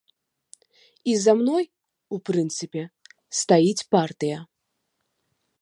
І за мной, у прынцыпе, стаіць партыя.